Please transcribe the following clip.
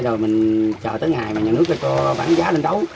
rồi mình chờ tới ngày mà nhà nước cho bán giá lên đấu